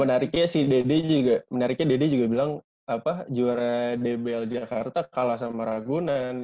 nah menariknya si dede juga bilang juara dbl jakarta kalah sama ragunan